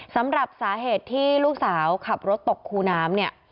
สำหรับสาเหตุที่ลูกสาวขับรถตกคูน้ำเนี่ย